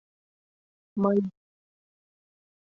— Мый...